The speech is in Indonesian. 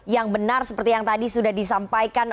yang benar seperti yang tadi sudah disampaikan